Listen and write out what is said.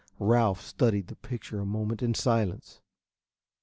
Ralph studied the picture a moment in silence.